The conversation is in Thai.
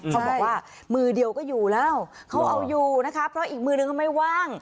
เขาบอกว่ามือเดียวก็อยู่แล้วเขาเอาอยู่นะคะเพราะอีกมือนึงเขาไม่ว่าง